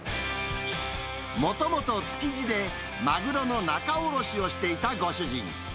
もともと築地で、マグロの仲卸をしていたご主人。